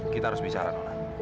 kita harus bicara nona